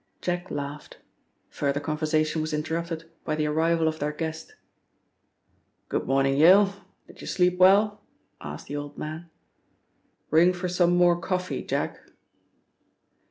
Jack laughed. Further conversation was interrupted by the arrival of their guest. "Good morning, Yale did you sleep well?" asked the old man. "Ring for some more coffee, Jack."